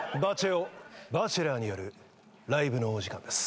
男バチェラーによるライブのお時間です。